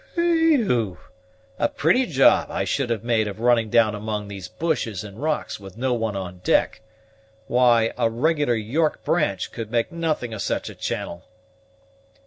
"Whe e e w! a pretty job I should have made of running down among these bushes and rocks with no one on deck! Why, a regular York branch could make nothing of such a channel."